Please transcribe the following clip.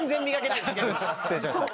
失礼しました。